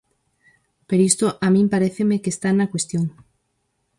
Pero isto a min paréceme que está na cuestión.